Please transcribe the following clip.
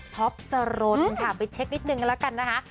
ท็อปจรนค่ะไปเช็คนิดนึงกันแล้วกันนะคะ